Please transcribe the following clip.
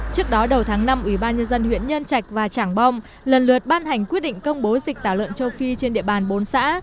trước đó đầu tháng năm ủy ban nhân dân huyện nhân trạch và trảng bom lần lượt ban hành quyết định công bố dịch tả lợn châu phi trên địa bàn bốn xã